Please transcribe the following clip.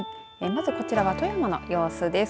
まずこちらは富山の様子です。